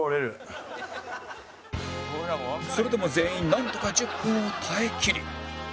それでも全員なんとか１０分を耐え切り